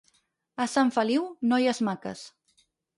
A Sant Feliu, noies maques.